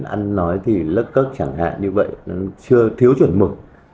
ăn nói thì lất cất chẳng hạn như vậy thiếu chuẩn mực